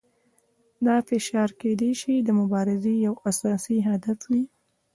دا فشار کیدای شي د مبارزې یو اساسي هدف وي.